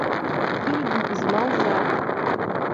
Кыргьы угызмалзаап!